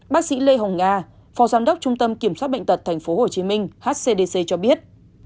bác sĩ lê hồng nga phó giám đốc trung tâm kiểm soát bệnh tật tp hcm hcdc cho biết